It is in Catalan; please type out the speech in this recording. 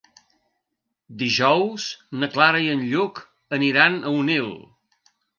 Dijous na Clara i en Lluc aniran a Onil.